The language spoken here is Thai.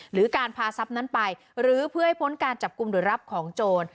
หรือการพาทรัพย์นั้นไปหรือเพื่อให้พ้นการจับกลุ่มหรือรับของโจร